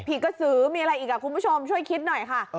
กระสือมีอะไรอีกคุณผู้ชมช่วยคิดหน่อยค่ะ